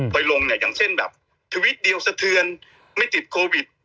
ไปลงเนี่ยอย่างเช่นแบบทวิตเดียวสะเทือนไม่ติดโควิด